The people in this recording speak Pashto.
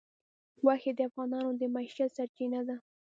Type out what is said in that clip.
غوښې د افغانانو د معیشت سرچینه ده.